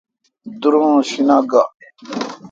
دور اں شیناک گاڑ۔